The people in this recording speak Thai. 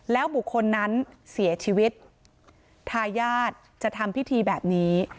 แล้วบุคคลนั้นเสียชีวิตทายาทจะทำพิธีแบบนี้